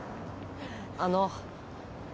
あの